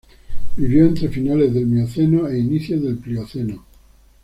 Vivió entre finales del Mioceno e inicios del Plioceno.